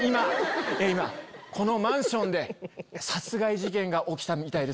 今このマンションで殺害事件が起きたみたいです。